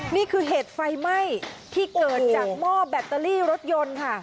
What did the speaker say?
นี่คือเหตุไฟไหม้ที่เกิดจากหม้อแบตเตอรี่รถยนต์ค่ะ